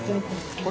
これ。